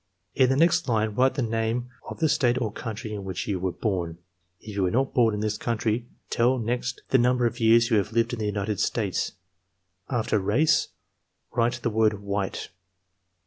"In the next line write the name of the state or country in which you were bom." "If you were not bom in this country, tell next the nmnber of years you have lived in the United States." "After 'Race' write the word 'White.'"